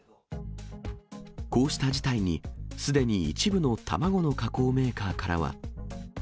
こうした事態に、すでに一部の卵の加工メーカーからは。